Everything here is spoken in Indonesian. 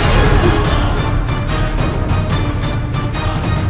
santan yang benar benar berpokai